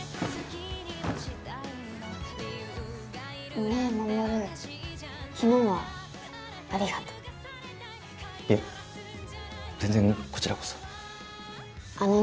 ねえ衛昨日はありがとういや全然こちらこそあのね